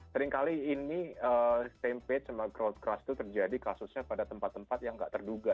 seringkali ini same page sama kraut crush itu terjadi kasusnya pada tempat tempat yang tidak terduga